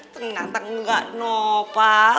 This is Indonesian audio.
tengah tengah gak nopah